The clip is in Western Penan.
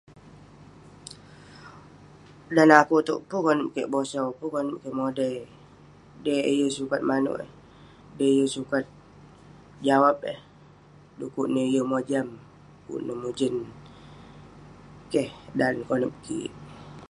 Dan akouk itouk, pun konep kik bosau pun konep kik modai. Dei eh yeng sukat manouk eh, dei eh yeng sukat jawab eh. Dekuk neh yeng mojam, dekuk neh mujen. Keh, dan neh konep kik.